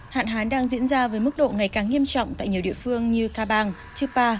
hạn hán đang diễn ra với mức độ ngày càng nghiêm trọng tại nhiều địa phương như cà bang chư pa